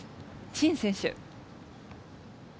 陳選手。